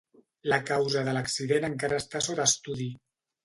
La causa de l'accident encara està sota estudi.